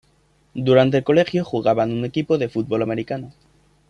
Durante el colegio jugaba en un equipo de fútbol americano.